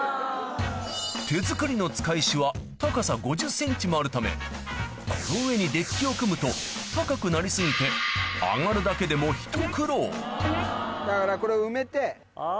手作りの束石は高さ５０ｃｍもあるためその上にデッキを組むと高くなり過ぎて上がるだけでもひと苦労